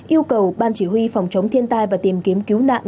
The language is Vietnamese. yêu cầu ban chỉ huy phòng chống thiên tai và tìm kiếm cứu nạn